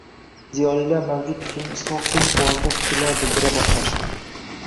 Ziyolilar mavjud tuzumni isloh qilish borasida fikrlar bildira boshlashdi.